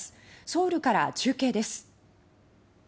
ソウルから中継です。